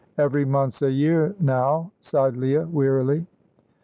"Every month's a year now," sighed Leah, wearily.